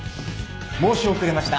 申し遅れました。